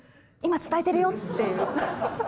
今、伝えてるよって。